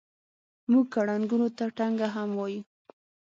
موږ ګړنګو ته ټنګه هم وایو.